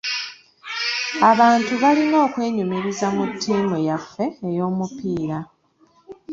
Abantu balina okwenyumiriza mu ttiimu yaffe ey'omupiira.